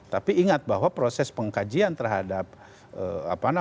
tapi ingat bahwa proses pengkajian terhadap apa namanya